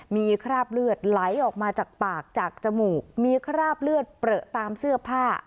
มีคราบเลือดไหลออกมาจากปากจากจมูกมีคราบเลือดเปลือตามเสื้อผ้า